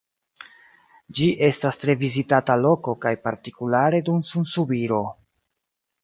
Ĝi estas tre vizitata loko kaj partikulare dum sunsubiro.